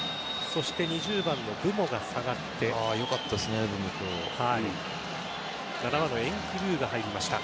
そして２０番のブモが下がって７番、エンクドゥが入りました。